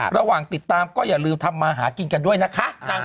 ระหว่างติดตามก็อย่าลืมทำมาหากินกันด้วยนะคะ